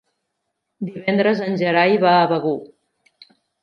Divendres en Gerai va a Begur.